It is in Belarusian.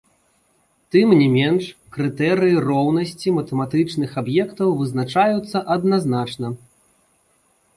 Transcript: Тым не менш, крытэрыі роўнасці матэматычных аб'ектаў вызначаюцца адназначна.